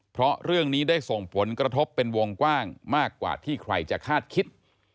เพราะเรื่องนี้ได้ส่งผลกระทบเป็นวงกว้างมากกว่าที่ใครจะคาดคิด